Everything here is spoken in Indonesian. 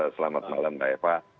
selamat malam mbak eva